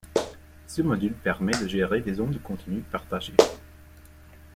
Ce module permet de gérer des zones de contenu partagée.